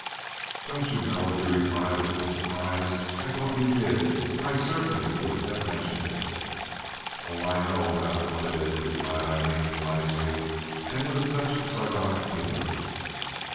"Don't you know?" he replied, a little surprised. "I thought you did, or I certainly wouldn't have mentioned it." "Oh, I know about what it is," replied Aileen, wisely, and with a touch of sardonic humor.